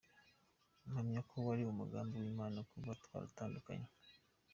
Mpamya ko wari umugambi w’Imana kuba twaratandukanye.